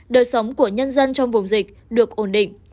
đời sống của nhân dân trong vùng dịch được ổn định